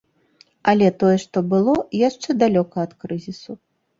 Але тое, што было, яшчэ далёка ад крызісу.